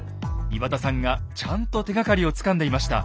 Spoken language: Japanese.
岩田さんがちゃんと手がかりをつかんでいました。